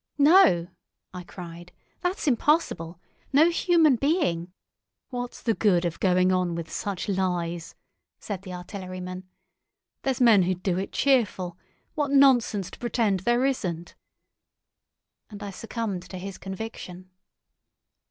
"No," I cried, "that's impossible! No human being——" "What's the good of going on with such lies?" said the artilleryman. "There's men who'd do it cheerful. What nonsense to pretend there isn't!" And I succumbed to his conviction.